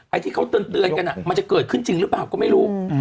ที่เขาเตือนกันมันจะเกิดขึ้นจริงหรือเปล่าก็ไม่รู้